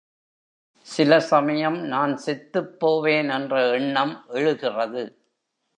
சிலசமயம் நான் செத்துப் போவேன் என்ற எண்ணம் எழுகிறது.